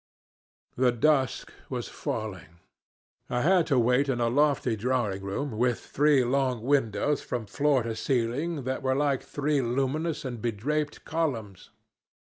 "The dusk was falling. I had to wait in a lofty drawing room with three long windows from floor to ceiling that were like three luminous and bedraped columns.